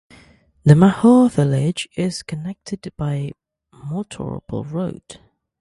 The Mahur village is connected by motorable road.